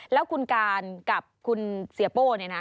แล้วคุณการกับคุณเสียโป้เนี่ยนะ